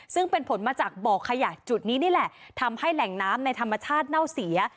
ซึ่งเป็นผลมาจากบ่อขยะจุดนี้นี่แหละทำให้แหล่งน้ำในธรรมชาติเน่าเสีย